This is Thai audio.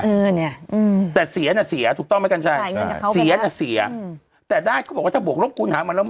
อืมแต่เสียน่ะเสียถูกต้องไหมกันใช่ไหมใช่เสียน่ะเสียอืมแต่ได้เขาบอกว่าถ้าบวกรบคุณหามาแล้วมัน